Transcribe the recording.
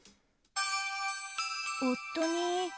夫に。